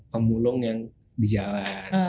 pemulung yang di jalan